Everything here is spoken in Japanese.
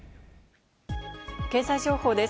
経済情報です。